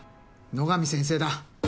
野上先生だ。